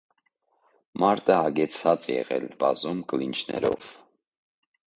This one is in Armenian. Մարտը հագեցած է եղել բազում կլինչներով։